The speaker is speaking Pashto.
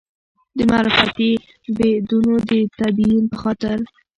د معرفتي بعدونو د تبیین په خاطر.